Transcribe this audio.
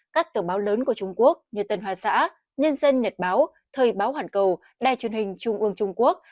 các tờ báo lớn của trung quốc như tân hoa xã nhân dân nhật báo thời báo hoàn cầu đài truyền hình trung ương trung quốc